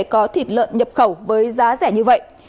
có thịt lợn nhập khẩu với giá rẻ như vậy